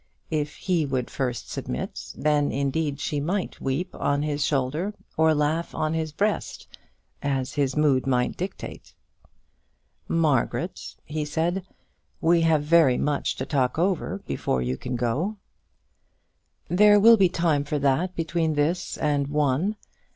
If he would first submit, then, indeed, she might weep on his shoulder or laugh on his breast, as his mood might dictate. "Margaret," he said, "we have very much to talk over before you can go." "There will be time for that between this and one.